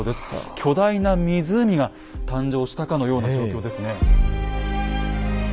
巨大な湖が誕生したかのような状況ですね。